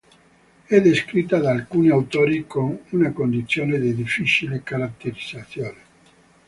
È descritta da alcuni autori con una condizione di difficile caratterizzazione.